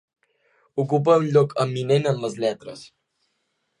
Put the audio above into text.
Ocupa un lloc eminent en les lletres.